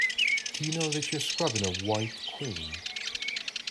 Do you know that you’re scrubbing a White Queen?